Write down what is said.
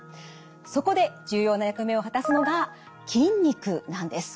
そこで重要な役目を果たすのが筋肉なんです。